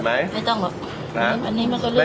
มันจะเจ็บไง